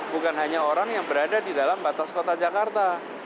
bukan hanya orang yang berada di dalam batas kota jakarta